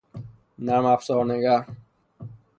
نرم افزارنگر